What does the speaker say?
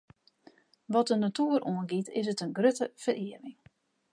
Wat de natoer oangiet, is it in grutte ferearming.